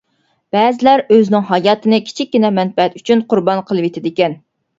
بەزىلەر ئۆزىنىڭ ھاياتىنى كىچىككىنە مەنپەئەت ئۈچۈن قۇربان قىلىۋېتىدىكەن.